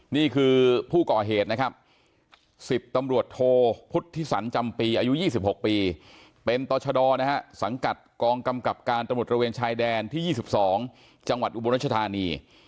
นี่คือผู้ก่อเหตุนะครับสิบตำรวจโทพุทธศรรย์จำปีอายุยี่สิบหกปีเป็นตชดนะฮะสังกัดกองกำกับการตมรวจระเวนชายแดนที่ยี่สิบสองจังหวัดอุบรณชธานี